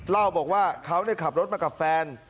เล่าบอกว่าเขาขับรถมากับแฟน